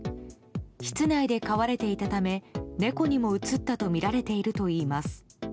室内で飼われていたため猫にもうつったとみられているといいます。